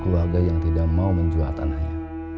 keluarga yang tidak mau menjual tanahnya